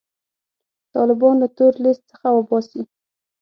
طالبان له تور لیست څخه وباسي.